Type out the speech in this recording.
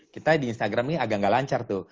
kita di instagram ini agak agak lancar tuh